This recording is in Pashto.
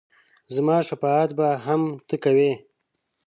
زما شفاعت به هم ته کوې !